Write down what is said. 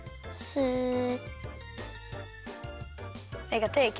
スッ。